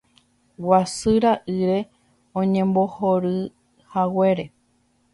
Guasu ra'ýre oñembohoryhaguére.